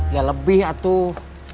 ya lebih atuh